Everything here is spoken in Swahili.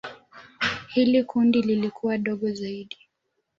Hili kundi lilikuwa dogo zaidi.